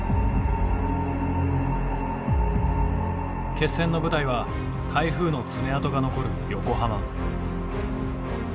決戦の舞台は台風の爪痕が残る横浜。